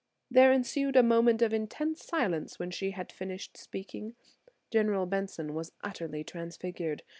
There ensued a moment of intense silence when she had finished speaking. General Benson was utterly transfigured.